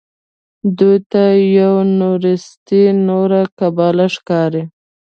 ده ته یونورسټي نوره قبوله ښکاري.